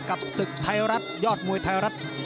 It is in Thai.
กับศึกยอดมวยไทยรัตฯ